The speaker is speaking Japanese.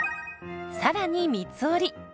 さらに三つ折り。